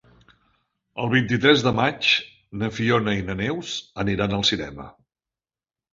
El vint-i-tres de maig na Fiona i na Neus aniran al cinema.